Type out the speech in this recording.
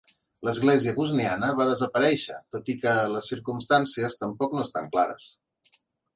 L'Església bosniana va desaparèixer, tot i que les circumstàncies tampoc no estan clares.